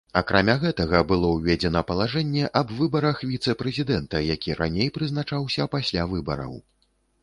Акрамя гэтага, было ўведзена палажэнне аб выбарах віцэ-прэзідэнта, які раней прызначаўся пасля выбараў.